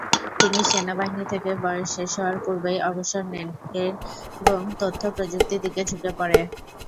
তিনি সেনাবাহিনী থেকে বয়স শেষ হওয়ার পূর্বেই অবসর নেন এব তথ্য প্রযুক্তির দিকে ঝুঁকে পড়েন।